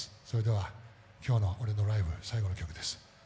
それでは今日のライブ、最後の曲です。